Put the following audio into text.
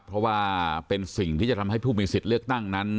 เพราะว่าเป็นสิ่งที่จะทำให้ผู้มีสิทธิ์เลือกตั้งนั้น